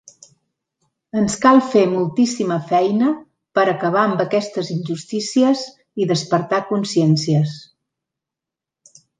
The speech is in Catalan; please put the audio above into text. Ens cal fer moltíssima feina per acabar amb aquestes injustícies i despertar consciències.